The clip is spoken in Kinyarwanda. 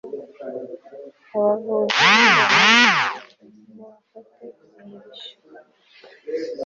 abavuzi bingoma mufate imirishyo